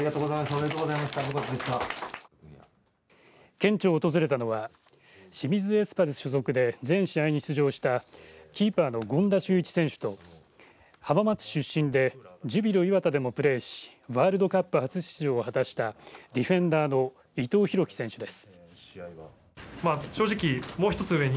県庁を訪れたのは清水エスパルス所属で全試合に出場したキーパーの権田修一選手と浜松市出身でジュビロ磐田でもプレーしワールドカップ初出場を果たしたディフェンダーの伊藤洋輝選手です。